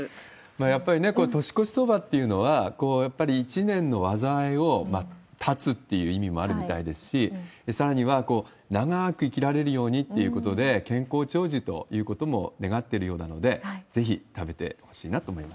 やっぱりね、年越しそばっていうのは、やっぱり一年の災いを断つという意味もあるみたいですし、さらには、長ーく生きられるようにということで、健康長寿ということも願っているようなので、ぜひ食べてほしいなと思います。